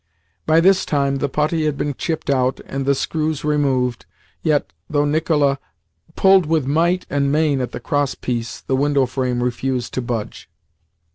By this time the putty had been chipped out, and the screws removed, yet, though Nicola pulled with might and main at the cross piece, the window frame refused to budge.